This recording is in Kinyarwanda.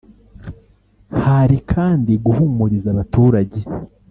Hari kandi guhumuriza abaturage